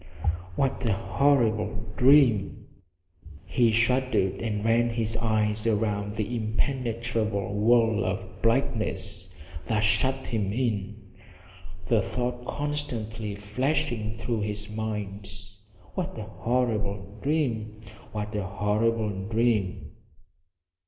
What a horrible dream! He shuddered and ran his eyes around the impenetrable wall of blackness that shut him in, the thought constantly flashing through his mind, what a horrible dream what a horrible dream!